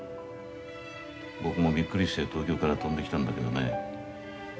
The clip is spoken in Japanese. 僕もびっくりして東京から飛んできたんだけどね。